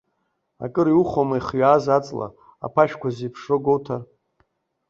Акыр иухәома, ихҩааз аҵла аԥашәқәа зеиԥшроу гәоуҭар?